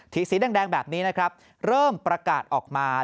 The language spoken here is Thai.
สีแดงแบบนี้นะครับเริ่มประกาศออกมา